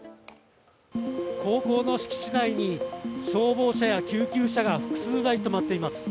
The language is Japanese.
高校の敷地内に消防車や救急車が複数台止まっています。